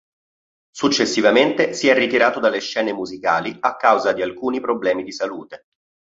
Successivamente si è ritirato dalle scene musicali a causa di alcuni problemi di salute.